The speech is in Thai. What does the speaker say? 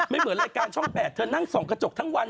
เหมือนรายการช่อง๘เธอนั่งส่องกระจกทั้งวัน